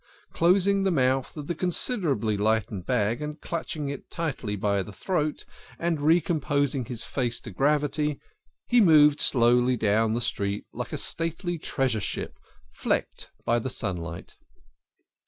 Closing the mouth of the considerably lightened bag and clutching it tightly by the throat, and recomposing his face to gravity, he moved slowly down the street like a stately treasure ship flecked by the sunlight.